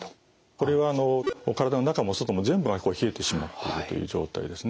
これは体の中も外も全部が冷えてしまっているという状態ですね。